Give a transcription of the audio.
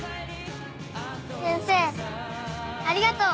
先生ありがとう！